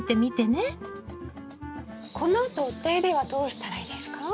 このあとお手入れはどうしたらいいですか？